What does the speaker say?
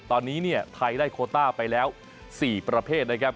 ตอนนี้เนี่ยไทยได้โคต้าไปแล้ว๔ประเภทนะครับ